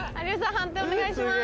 判定お願いします。